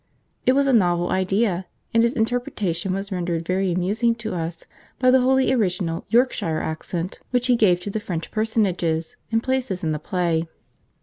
It was a novel idea, and his interpretation was rendered very amusing to us by the wholly original Yorkshire accent which he gave to the French personages and places in the play.